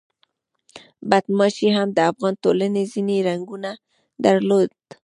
بدماشي هم د افغان ټولنې ځینې رنګونه درلودل.